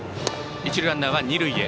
一塁ランナー、二塁へ。